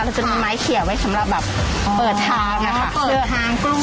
เราจะมีไม้เคี่ยวให้สำหรับเปิดทาง